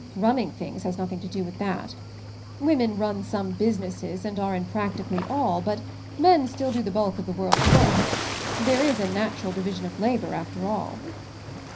'Running things' has nothing to do with that. Women run some businesses and are in practically all, but men still do the bulk of the world's^ work. There is a natural division of labor, after all."